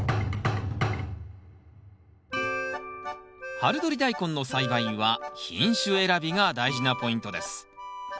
春どりダイコンの栽培は品種選びが大事なポイントです。